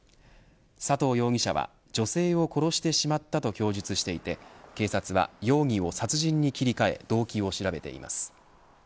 佐藤容疑者は、女性を殺してしまったと供述していて警察は容疑を殺人に切り替え動機を調べています。